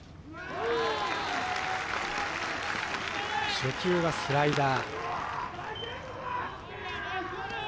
初球はスライダー。